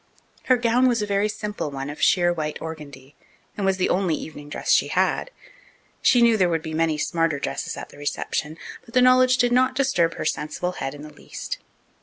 Her gown was a very simple one of sheer white organdie, and was the only evening dress she had. She knew there would be many smarter dresses at the reception, but the knowledge did not disturb her sensible head in the least.